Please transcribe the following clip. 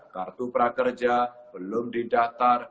kartu prakerja belum didaftar